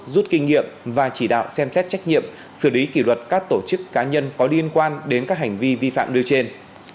rút kinh nghiệm và chỉ đạo xem xét trách nhiệm xử lý kỷ luật các tổ chức cá nhân có liên quan đến các hành vi vi phạm nêu trên